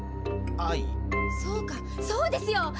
そうかそうですよ！